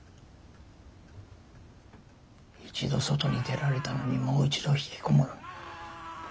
一度外に出られたのにもう一度ひきこもる。